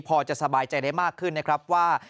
พอจะสบายใจได้มากขึ้นนะครับว่า